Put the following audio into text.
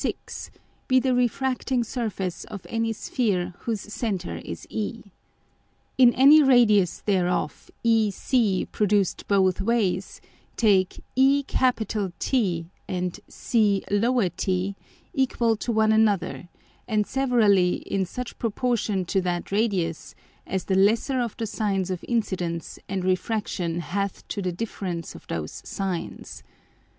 _ 6.] be the refracting Surface of any Sphere whose Centre is E. In any Radius thereof EC produced both ways take ET and C_t_ equal to one another and severally in such Proportion to that Radius as the lesser of the Sines of Incidence and Refraction hath to the difference of those Sines.